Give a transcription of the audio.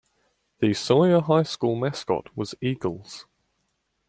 The Sawyer High School mascot was Eagles.